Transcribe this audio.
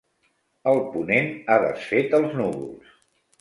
El ponent ha desfet els núvols.